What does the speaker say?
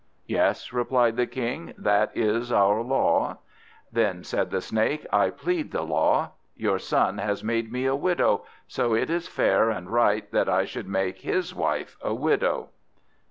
"Yes," replied the King, "that is our law." "Then," said the Snake, "I plead the law. Your son has made me a widow, so it is fair and right that I should make his wife a widow."